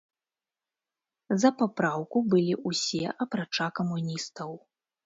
За папраўку былі ўсе, апрача камуністаў.